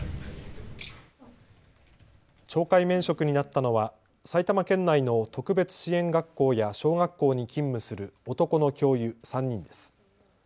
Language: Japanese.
懲戒免職になったのは埼玉県内の特別支援学校や小学校に勤務する男の教諭３人です。